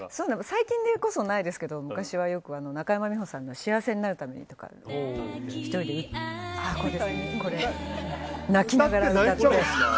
最近こそないですけど昔はよく中山美穂さんの「幸せになるために」を１人で泣きながら歌って。